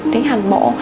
tiến hành bộ